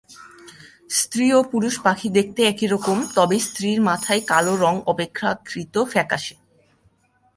স্ত্রী ও পুরুষ পাখি দেখতে একই রকম, তবে স্ত্রীর মাথার কালো রং অপেক্ষাকৃত ফ্যাকাসে।